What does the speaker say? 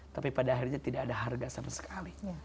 tapi pada akhirnya tidak ada harga sama sekali